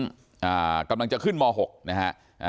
อ่ากำลังจะขึ้นมหกนะฮะอ่า